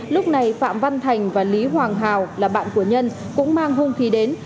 lúc này phạm văn thành và lý hoàng hào là bạn của nhân cũng mang hung khí đến